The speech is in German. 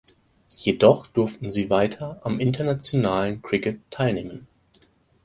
Jedoch durften sie weiter am internationalen Cricket teilnehmen.